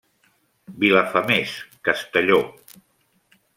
Vilafamés, Castelló.